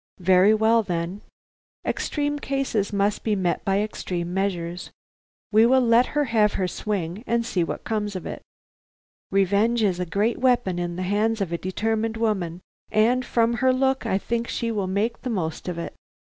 "Very well, then. Extreme cases must be met by extreme measures. We will let her have her swing, and see what comes of it. Revenge is a great weapon in the hands of a determined woman, and from her look I think she will make the most of it."